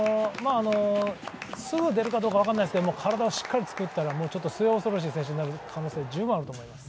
すぐ出るかどうか分からないですけど、体をしっかり作ったら末恐ろしい選手になる可能性は十分あると思います。